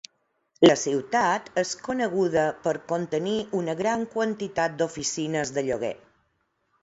La ciutat és coneguda per contenir una gran quantitat d'oficines de lloguer.